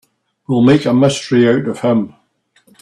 We'll make a mystery out of him.